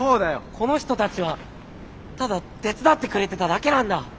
この人たちはただ手伝ってくれてただけなんだ。